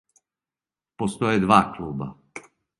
Постоје два клуба.